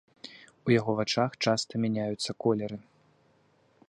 У яго вачах часта мяняюцца колеры.